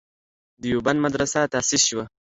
دیوبند مدرسه تاسیس شوه.